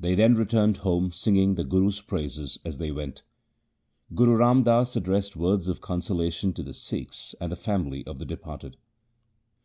They then returned home singing the Guru's praises as they went. Guru Ram Das addressed words of consolation to the Sikhs and the family of the departed.